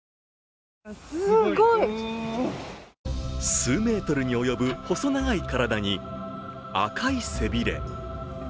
数メートルに及ぶ細長い体に赤い背びれ。